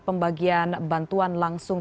pembagian bantuan langsung